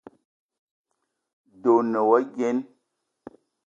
De o ne wa yene?